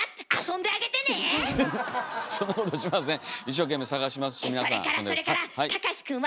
一生懸命探しますし皆さん。